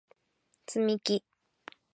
つみき